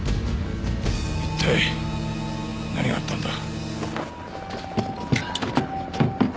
一体何があったんだ？